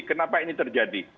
kenapa ini terjadi